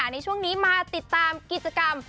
ในช่วงนี้มาติดตามกิจกรรม